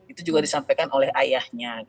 itu juga disampaikan oleh ayahnya